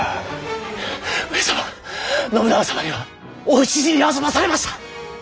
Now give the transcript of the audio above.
上様信長様にはお討ち死にあそばされました。